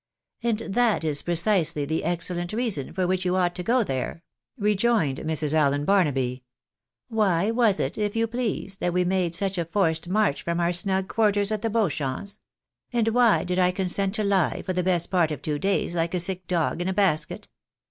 " And that is precisely the excellent reason for which you ought to go there," rejoined Mrs. Allen Barnaby. " Why was it, if you please, that we made such a forced march from our snug quarters at the Beauchamps' ? And why did I consent to lie for the best part of two days like a sick dog in a basket